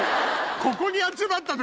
ここに集まった時。